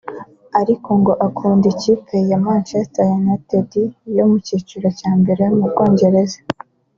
ariko ngo akunda ikipe ya Manchester United yo mu cyiciro cya mbere mu Bwongereza